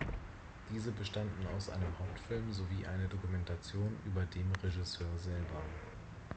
Diese bestanden aus einem Hauptfilm sowie eine Dokumentation über dem Regisseur selber.